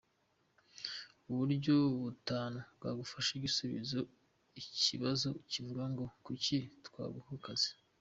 Uburyo butanu bwagufasha gusubiza ikibazo kivuga ngo “kuki twaguha akazi”.